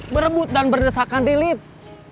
berebut dan berdesakan di lift